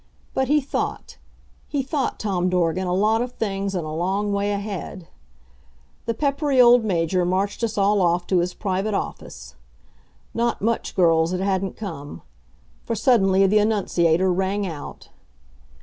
But he thought. He thought, Tom Dorgan, a lot of things and a long way ahead. The peppery old Major marched us all off to his private office. Not much, girls, it hadn't come. For suddenly the annunciator rang out.